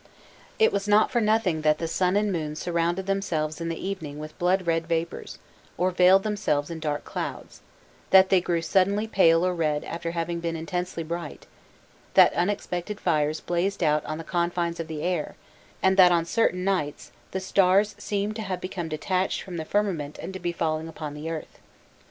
It was not for nothing that the sun and moon surrounded themselves in the evening with blood red vapours or veiled themselves in dark clouds; that they grew suddenly pale or red after having been intensely bright; that unexpected fires blazed out on the confines of the air, and that on certain nights the stars seemed to have become detached from the firmament and to be falling upon the earth.